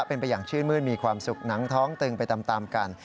เป็นไปอย่างชื่นมื้นมีความสุขหนังท้องตึงไปตามกัน